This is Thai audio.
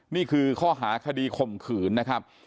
นี่คือข้อหาคดีข่มขืนนะครับ